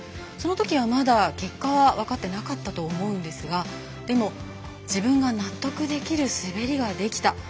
そのときはまだ結果は分かっていなかったと思うんですがでも、自分が納得できる滑りができた。